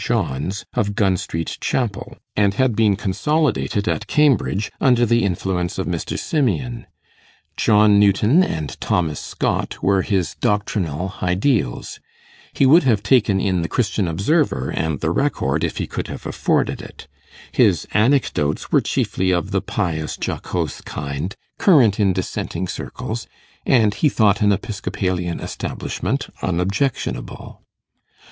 Johns, of Gun Street Chapel, and had been consolidated at Cambridge under the influence of Mr. Simeon. John Newton and Thomas Scott were his doctrinal ideals; he would have taken in the "Christian Observer" and the "Record," if he could have afforded it; his anecdotes were chiefly of the pious jocose kind, current in dissenting circles; and he thought an Episcopalian Establishment unobjectionable.